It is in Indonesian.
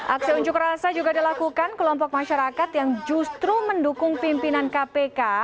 aksi unjuk rasa juga dilakukan kelompok masyarakat yang justru mendukung pimpinan kpk